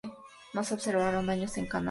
No se observaron daños en Canadá.